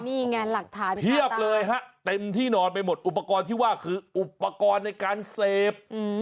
นี่ไงหลักฐานเพียบเลยฮะเต็มที่นอนไปหมดอุปกรณ์ที่ว่าคืออุปกรณ์ในการเสพ